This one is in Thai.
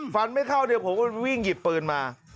ไม่เข้าเดี๋ยวผมก็วิ่งหยิบปืนมา